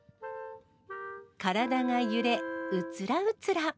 体が揺れ、うつらうつら。